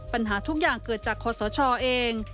ปัญหาทุกอย่างเกิดจากคอสชเอง